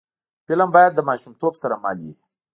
فلم باید له ماشومتوب سره مل وي